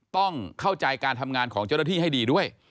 ต้องเข้าใจการทำงานของเจ้าหน้าที่ให้ดีด้วย